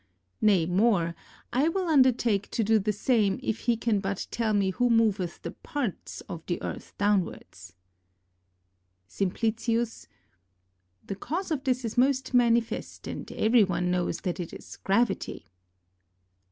Nay more ; I will undertake to do the same, if he can but tell me who moveth the parts of the Earth downwards. SiMPLicius. The cause of this is most manifest, and every one knows that it is gravity.